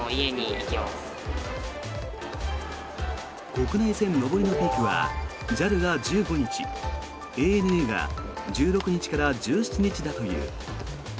国内線上りのピークはＪＡＬが１５日ＡＮＡが１６日から１７日だという。